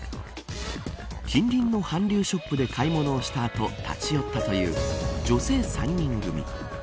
近隣の韓流ショップで買い物をした後立ち寄ったという女性３人組。